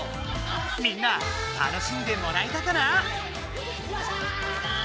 みんな楽しんでもらえたかな？